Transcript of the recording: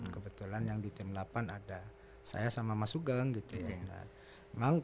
kebetulan yang di tim delapan ada saya sama mas sugeng gitu ya